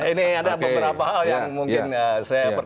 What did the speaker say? ini ada beberapa hal yang mungkin